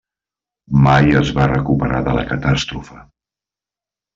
Mai es va recuperar de la catàstrofe.